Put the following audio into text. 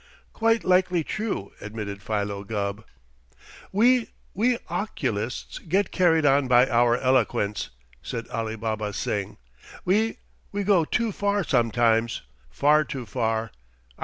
"Quite likely true," admitted Philo Gubb. "We we occulists get carried on by our eloquence," said Alibaba Singh. "We we go too far sometimes. Far too far!